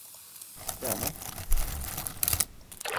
En un principio se pensó incluso titular el tema con el nombre del púgil.